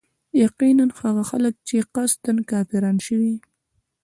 يقيناً هغه خلک چي قصدا كافران شوي